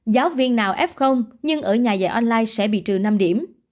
giáo viên nào f nhưng ở nhà dạy online sẽ bị trừ năm điểm